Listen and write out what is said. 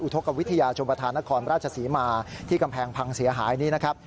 ทกวิทยาชมประธานนครราชศรีมาที่กำแพงพังเสียหายนี้นะครับ